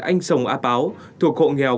anh sồng a báo thuộc hộ nghèo